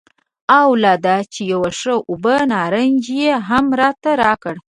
او لا دا چې یو ښه اوبه نارنج یې هم راته راکړ.